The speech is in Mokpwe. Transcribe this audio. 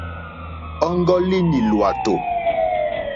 Ɔ́ŋɡɔ́línì lwàtò.